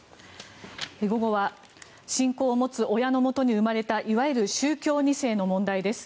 午後は信仰を持つ親のもとに生まれたいわゆる宗教２世の問題です。